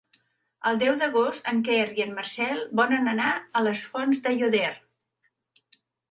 El deu d'agost en Quer i en Marcel volen anar a les Fonts d'Aiòder.